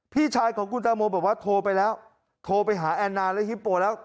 พี่ชายของคุณตังโมบอกว่าโทรไปแล้วโทรไปหาแอนนาและฮิปโปแล้ว